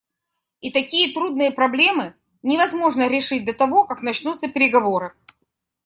И такие трудные проблемы невозможно решить до того, как начнутся переговоры.